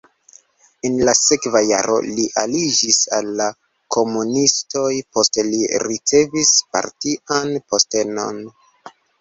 En la sekva jaro li aliĝis al la komunistoj, poste li ricevis partian postenon.